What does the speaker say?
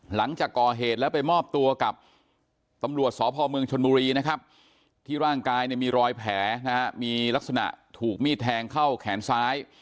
หลังจากก่อเหตุแล้วไปมอบตัวกับตำรวจสพเมืองชนบุรีนะครับที่ร่างกายเนี่ยมีรอยแผลนะฮะมีลักษณะถูกมีดแทงเข้าแขนซ้าย